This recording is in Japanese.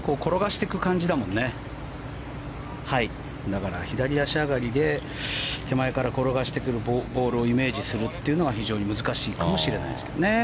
だから左足上がりで手前から転がしてくるボールをイメージするというのが非常に難しいかもしれないですね。